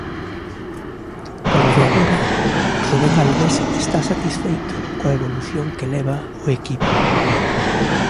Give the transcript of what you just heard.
Polo de agora, Rubén Albés está satisfeito coa evolución que leva o equipo.